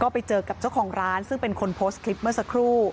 ไปเจอกับเจ้าของร้านซึ่งเป็นคนโพสต์คลิปเมื่อสักครู่